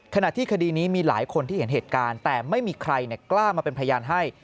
ขณะที่คดีนี้มีหลายคนที่เห็นเหตุการณ์แต่ไม่มีใครกล้ามาเป็นพยานให้